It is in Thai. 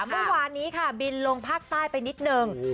เมื่อวานนี้ค่ะบินลงภาคใต้ไปนิดนึง